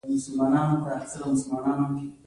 کله چې سړی شتمن کېږي نو ډېر ژر شتمن کېږي.